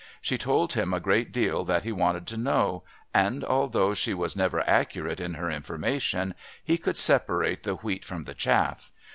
She told him a great deal that he wanted to know, and although she was never accurate in her information, he could separate the wheat from the chaff.